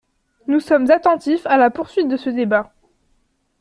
Nous sommes attentifs à la poursuite de ce débat.